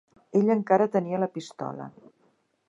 Ell encara tenia la pistola.